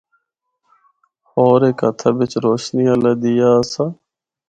ہور ہک ہتھا بچ روشنی آلہ دیّا آسا۔